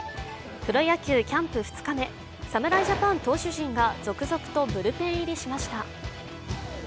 プロ野球キャンプ２日目、侍ジャパン投手陣が続々とブルペン入りしました。